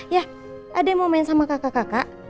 ya ada yang mau main sama kakak kakak